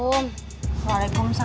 jangan sampai kesan